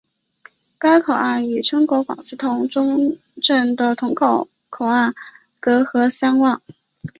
该口岸与中国广西峒中镇的峒中口岸隔河相望。